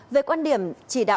về quan điểm chỉ đạo